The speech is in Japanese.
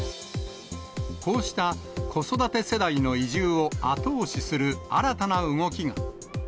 こうした子育て世代の移住を後押しする新たな動きが。